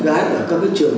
đa dạng trong đó là học sinh